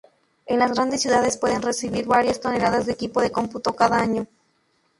En las grandes ciudades, pueden recibir varias toneladas de equipo de cómputo cada año.